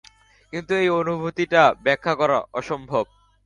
কিন্তু এই অনুভূতিটা ব্যাখ্যা করা অসম্ভব।